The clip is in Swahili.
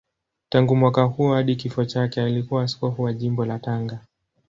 Tangu mwaka huo hadi kifo chake alikuwa askofu wa Jimbo la Tanga.